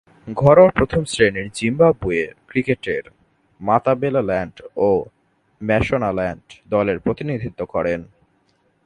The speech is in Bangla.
ঘরোয়া প্রথম-শ্রেণীর জিম্বাবুয়ীয় ক্রিকেটে মাতাবেলেল্যান্ড ও ম্যাশোনাল্যান্ড দলের প্রতিনিধিত্ব করেন।